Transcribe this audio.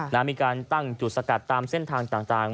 มีการตั้งจุดสกัดตามเส้นทางต่าง